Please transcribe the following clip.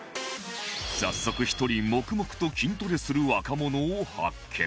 早速一人黙々と筋トレする若者を発見